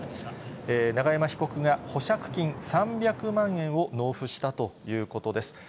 永山被告が保釈金３００万円を納付したということです。